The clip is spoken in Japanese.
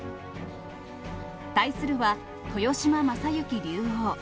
対するは豊島将之竜王。